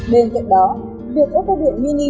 bên cạnh đó việc ô tô điện mini